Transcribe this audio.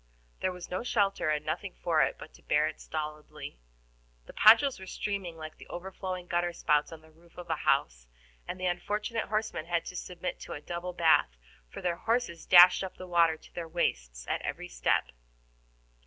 There was no shelter, and nothing for it but to bear it stolidly. The ponchos were streaming like the overflowing gutter spouts on the roof of a house, and the unfortunate horsemen had to submit to a double bath, for their horses dashed up the water to their waists at every step.